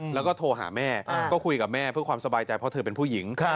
แล้วก็โทรหาแม่ก็คุยกับแม่เพื่อความสบายใจเพราะเธอเป็นผู้หญิง